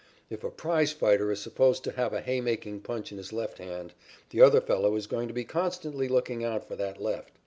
If a prizefighter is supposed to have a haymaking punch in his left hand, the other fellow is going to be constantly looking out for that left.